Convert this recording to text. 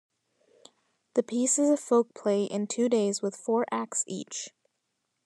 The piece is a folk play in two days with four acts each.